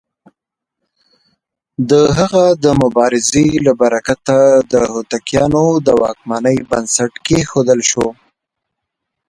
د هغه د مبارزې له برکته د هوتکيانو د واکمنۍ بنسټ کېښودل شو.